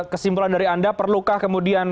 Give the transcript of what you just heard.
kesimpulan dari anda perlukah kemudian